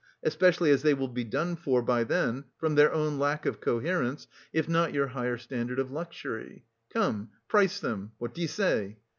especially as they will be done for by then from their own lack of coherence if not your higher standard of luxury. Come, price them! What do you say?